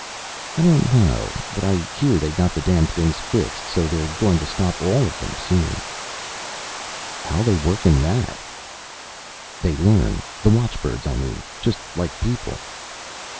"I don't know. But I hear they got the damned things fixed so they're going to stop all of them soon." "How they working that?" "They learn. The watchbirds, I mean. Just like people."